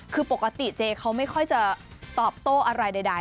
คือปกติเจเขาไม่ค่อยจะตอบโต้อะไรใด